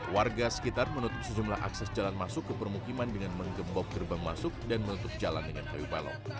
warga sekitar menutup sejumlah akses jalan masuk ke permukiman dengan menggembok gerbang masuk dan menutup jalan dengan kayu balok